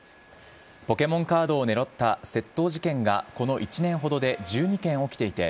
ポケモンカードを狙った窃盗事件がこの１年ほどで１２件起きていて